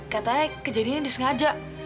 katanya kejadian ini disengaja